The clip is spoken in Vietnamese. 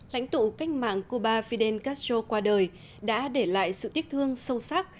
lãnh tụ cách mạng cuba fidel castro qua đời đã để lại sự tiếc thương sâu sắc